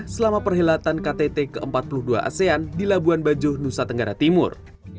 selama perhelatan ktt ke empat puluh dua asean di labuan bajo nusa tenggara timur